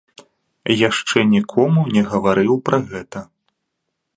Яшчэ нікому не гаварыў пра гэта.